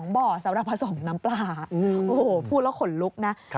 บ่อสำหรับผสมน้ำปลาโอ้โหพูดแล้วขนลุกนะ